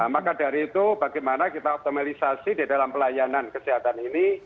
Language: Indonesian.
maka dari itu bagaimana kita optimalisasi di dalam pelayanan kesehatan ini